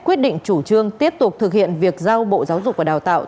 quyết định chủ trương tiếp tục thực hiện việc giao bộ giáo dục và đào tạo